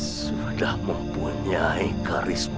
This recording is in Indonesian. sudah mempunyai karismu